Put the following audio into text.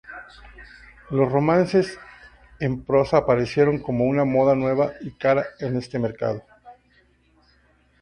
Los romances en prosa aparecieron como una moda nueva y cara en este mercado.